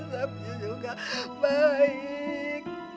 nasabnya juga baik